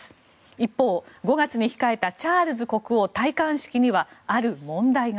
一方、５月に控えたチャールズ国王戴冠式にはある問題が。